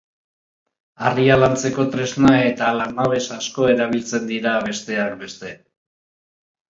Harria lantzeko tresna eta lanabes asko erabiltzen dira, besteak beste.